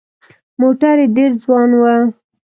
موټر یې ډېر ځوان و.